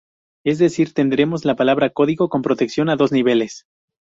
Es decir, tendremos la palabra código con protección a dos niveles.